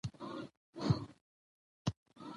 زموږ د ليکني ادب زياتره پنځګر نارينه دي؛